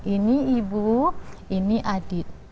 ini ibu ini adit